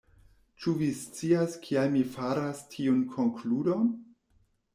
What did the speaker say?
Ĉu vi scias kial mi faras tiun konkludon?